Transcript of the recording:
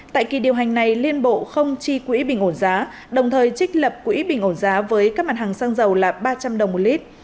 tại kỳ điều hành này liên bộ không chi quỹ bình ổn giá đồng thời trích lập quỹ bình ổn giá với các mặt hàng xăng dầu là ba trăm linh đồng một lít